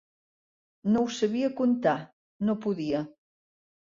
No ho sabia contar, no podia.